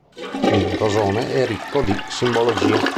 Il rosone è ricco di simbologie.